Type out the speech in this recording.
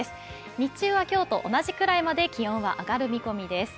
日中は今日と同じくらいまで気温は上がる見込みです。